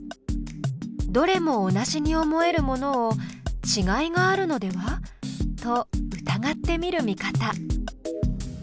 どれも同じに思えるものを「ちがいがあるのでは？」と疑ってみる見方。